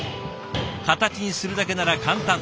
形にするだけなら簡単。